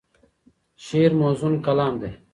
شعر موزون کلام دی.